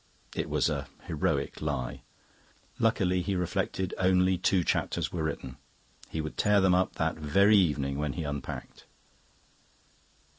It was a heroic lie. Luckily, he reflected, only two chapters were written. He would tear them up that very evening when he unpacked.